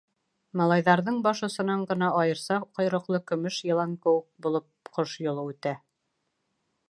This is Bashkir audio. Малайҙарҙың баш осонан ғына, айырса ҡойроҡло көмөш йылан кеүек булып, Ҡош Юлы үтә.